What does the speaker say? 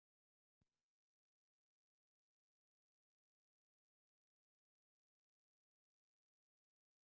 Ela escreveu uma carta e a entregou para a enfermeira.